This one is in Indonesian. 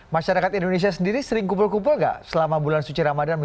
masyarakat indonesia sendiri sering kumpul kumpul gak selama bulan suci ramadan